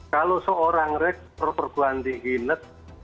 kalau seorang rektor perbuatan di hinet